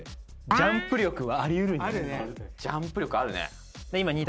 ・ジャンプ力あるね。